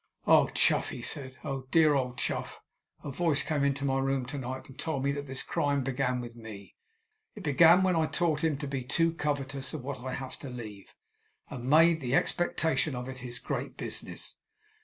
"Oh, Chuff," he said, "oh, dear old Chuff! a voice came into my room to night, and told me that this crime began with me. It began when I taught him to be too covetous of what I have to leave, and made the expectation of it his great business!"